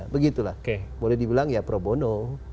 begitulah boleh dibilang ya pro bono